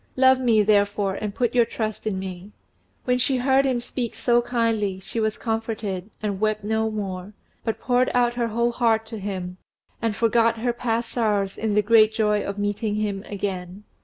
Love me, therefore, and put your trust in me." When she heard him speak so kindly she was comforted, and wept no more, but poured out her whole heart to him, and forgot her past sorrows in the great joy of meeting him again.